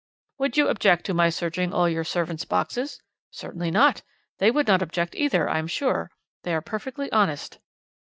"'Would you object to my searching all your servants' boxes?' "'Certainly not. They would not object, either, I am sure. They are perfectly honest.'